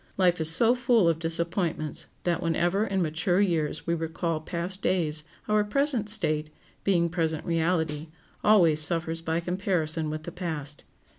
Life is so full of disappointments that whenever in mature years we recall past days, our present state, being present reality, always suffers by comparison with the past.